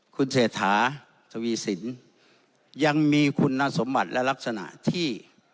คุณเศรษฐาทวีสินยังมีคุณสมบัติและลักษณะที่